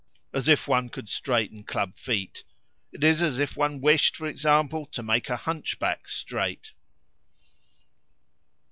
As if one could straighten club feet! It is as if one wished, for example, to make a hunchback straight!"